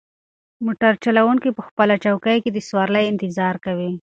موټر چلونکی په خپله چوکۍ کې د سوارلۍ انتظار کوي.